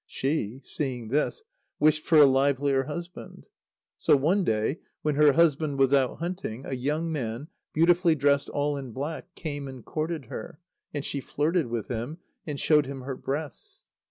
She, seeing this, wished for a livelier husband. So one day, when her husband was out hunting, a young man, beautifully dressed all in black, came and courted her, and she flirted with him, and showed him her breasts.